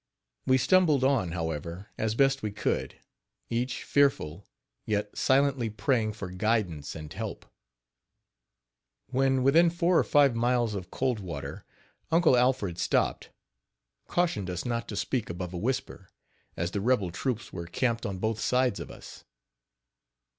We stumbled on, however, as best we could, each fearful, yet silently praying for guidance and help. When within four or five miles of Cold Water, Uncle Alfred stopped cautioned us not to speak above a whisper, as the rebel troops were camped on both sides of us.